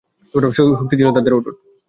শক্তি ছিল তাদের অটুট।